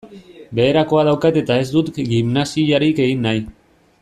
Beherakoa daukat eta ez dut gimnasiarik egin nahi.